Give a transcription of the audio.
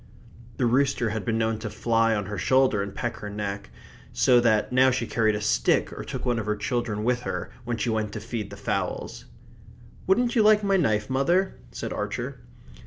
The rooster had been known to fly on her shoulder and peck her neck, so that now she carried a stick or took one of the children with her when she went to feed the fowls. "Wouldn't you like my knife, mother?" said Archer.